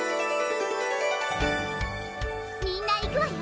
みんないくわよ！